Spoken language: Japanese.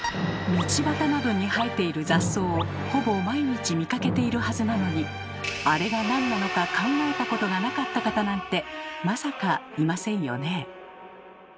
道端などに生えている雑草をほぼ毎日見かけているはずなのにあれがなんなのか考えたことがなかった方なんてまさかいませんよね？